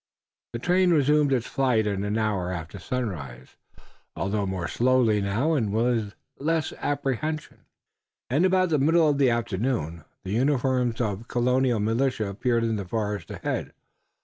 The train resumed its flight an hour after sunrise, although more slowly now and with less apprehension, and about the middle of the afternoon the uniforms of Colonial militia appeared in the forest ahead.